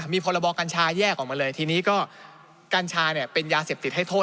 มีพรบกัญชาแยกออกมาเลยทีนี้ก็กัญชาเนี่ยเป็นยาเสพติดให้โทษ